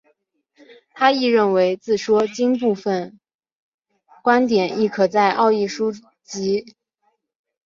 他亦认为自说经部份观点亦可在奥义书及耆那教经典中见到。